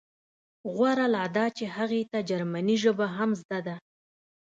غوره لا دا چې هغې ته جرمني ژبه هم زده ده